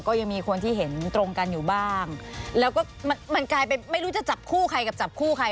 ก็ยังมีคนที่เห็นตรงกันอยู่บ้างแล้วก็มันกลายเป็นไม่รู้จะจับคู่ใครกับจับคู่ใคร